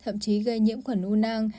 thậm chí gây nhiễm khuẩn u nang